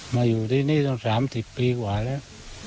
มาอยู่ที่นี่ต้องสามสิบปีกว่าแล้ว